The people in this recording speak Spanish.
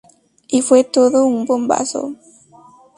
Y fue todo un bombazo.